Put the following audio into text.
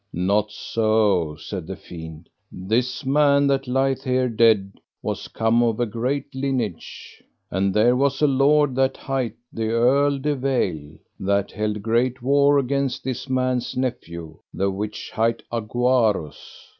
Not so, said the fiend, this man that lieth here dead was come of a great lineage. And there was a lord that hight the Earl de Vale, that held great war against this man's nephew, the which hight Aguarus.